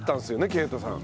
啓太さん。